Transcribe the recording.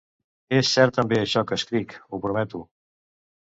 És cert també això que escric, ho prometo.